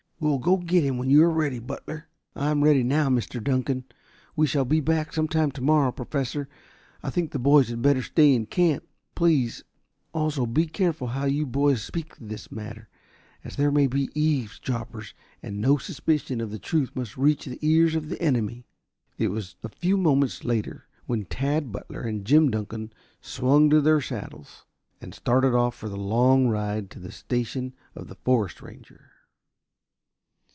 We will go get him when you are ready, Butler." "I am ready now, Mr. Dunkan. We shall be back some time tomorrow, Professor. I think the boys had better stay in camp. Please, also, be careful how you boys speak of this matter, as there may be eavesdroppers, and no suspicion of the truth must reach the ears of the enemy." It was a few moments later when Tad Butler and Jim Dunkan swung to their saddles and started off for their long ride to the station of the forest ranger.